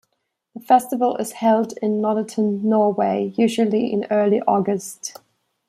The festival is held in Notodden, Norway, usually in early August.